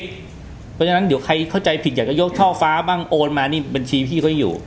เพราะฉะนั้นเดี๋ยวใครเข้าใจผิดอยากจะยกท่อฟ้าบ้างโอนมานี่บัญชีพี่เขายังอยู่